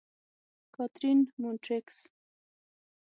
کاترین: مونټریکس.